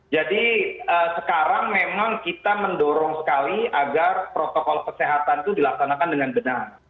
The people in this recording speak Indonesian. jadi sekarang memang kita mendorong sekali agar protokol kesehatan itu dilaksanakan dengan benar